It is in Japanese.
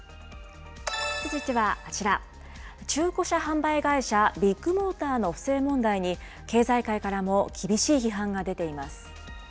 続いてはこちら、中古車販売会社、ビッグモーターの不正問題に、経済界からも厳しい批判が出ています。